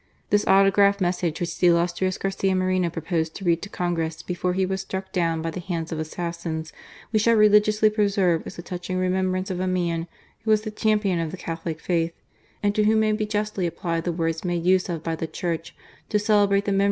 This autograph messa^ which the illustrious Garcia Moreno proposed to read to Congress before he was struck down by the hands of assassins, we shall religiously preserve as a touching remembrance of a man who was the champion of the Catholic Faith, and to whom may be justly applied the words made use of by the Church to celebrate the memon.